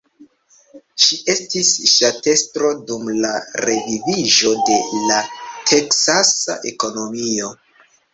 Si estis ŝtatestro dum la reviviĝo de la Teksasa ekonomio.